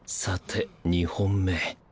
さて２本目。